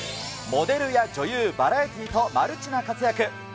モデルや女優、バラエティーとマルチな活躍。